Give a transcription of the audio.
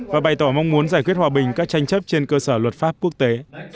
và bày tỏ mong muốn giải quyết hòa bình các tranh chấp trên cơ sở luật pháp quốc tế